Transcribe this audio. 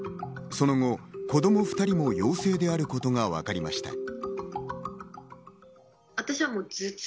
その後、子供２人も陽性であることがわかりました。